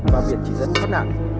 và biện chỉ dẫn thoát nạn